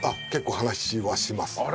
結構話はします。